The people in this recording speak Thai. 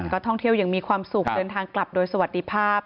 ก็ท่องเที่ยวอย่างมีความสุขเดินทางกลับโดยสวัสดีภาพ